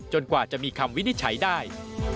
กว่าจะมีคำวินิจฉัยได้